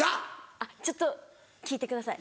あっちょっと聞いてください。